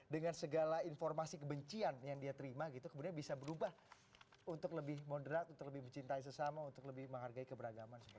dengan segala informasi kebencian yang dia terima gitu kemudian bisa berubah untuk lebih moderat untuk lebih mencintai sesama untuk lebih menghargai keberagaman